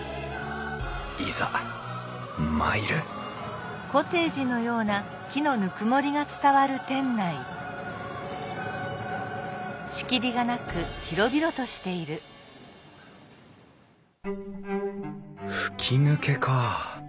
いざ参る吹き抜けか。